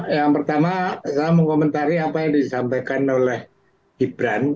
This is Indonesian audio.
yang pertama saya mengomentari apa yang disampaikan oleh gibran